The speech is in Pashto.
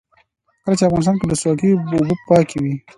کله چې افغانستان کې ولسواکي وي اوبه پاکې وي.